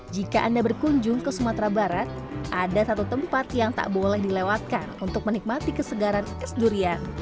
jika anda berkunjung ke sumatera barat ada satu tempat yang tak boleh dilewatkan untuk menikmati kesegaran es durian